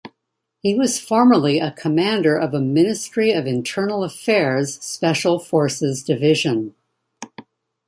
He was formerly a commander of a Ministry of Internal Affairs Special Forces division.